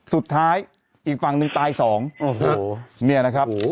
สุดท้ายอีกฝั่งนึงตายสองเนี่ยนะครับ